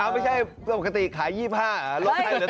ไม่ใช่ปกติขาย๒๕บาท